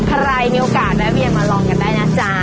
ใครมีโอกาสแวะเวียนมาลองกันได้นะจ๊ะ